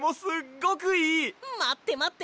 まってまって。